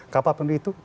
kapa pun itu